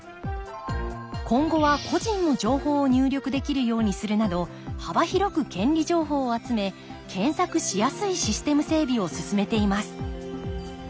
今後は個人の情報を入力できるようにするなど幅広く権利情報を集め検索しやすいシステム整備を進めています